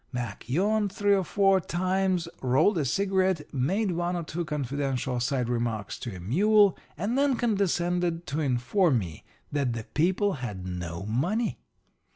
Mac yawned three or four times, rolled a cigarette, made one or two confidential side remarks to a mule, and then condescended to inform me that the people had no money.